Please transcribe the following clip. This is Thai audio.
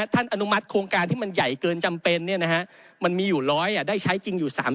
อนุมัติโครงการที่มันใหญ่เกินจำเป็นมันมีอยู่๑๐๐ได้ใช้จริงอยู่๓๐